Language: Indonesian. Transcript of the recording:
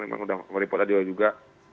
memang sudah meliput tadi juga